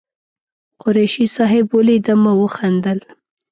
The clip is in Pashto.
قریشي صاحب ولیدم او وخندل.